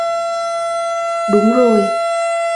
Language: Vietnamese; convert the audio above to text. Đúng rồi